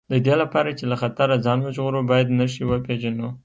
د دې لپاره چې له خطره ځان وژغورو باید نښې وپېژنو.